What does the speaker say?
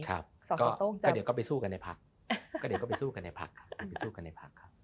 ก็เดี๋ยวก็ไปสู้กันในพัก